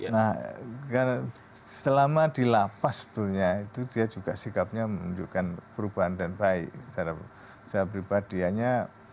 nah karena selama di lapas sebetulnya itu dia juga sikapnya menunjukkan perubahan dan baik secara pribadianya